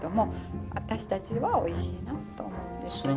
私たちはおいしいなと思うんですけど。